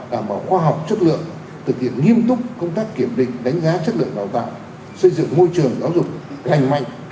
đảm bảo khoa học chất lượng thực hiện nghiêm túc công tác kiểm định đánh giá chất lượng đào tạo xây dựng môi trường giáo dục đành mạnh